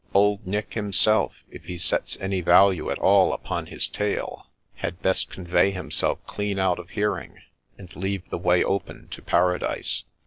Old Nick himself, if he sets any value at all upon his tail, had best convey himself clean out of hearing, and leave the way open to Paradise.